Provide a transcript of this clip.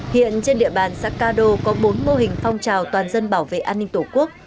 hiện trên địa bàn xã ca đô có bốn mô hình phong trào toàn dân bảo vệ an ninh tổ quốc